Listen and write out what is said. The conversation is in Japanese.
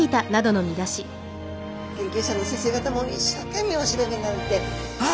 研究者の先生方も一生懸命お調べになられてあ！